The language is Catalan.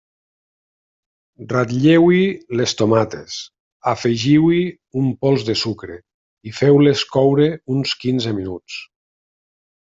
Ratlleu-hi les tomates, afegiu-hi un pols de sucre i feu-les coure uns quinze minuts.